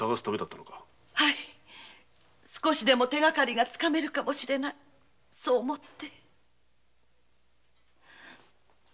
少しでも手がかりがつかめるかもしれないと思って。